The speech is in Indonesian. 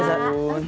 pasangan date aku